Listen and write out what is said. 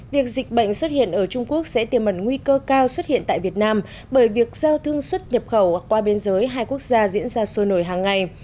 việc dịch bệnh xuất hiện ở trung quốc sẽ tiềm mẩn nguy cơ cao xuất hiện tại việt nam bởi việc giao thương xuất nhập khẩu qua biên giới hai quốc gia diễn ra sôi nổi hàng ngày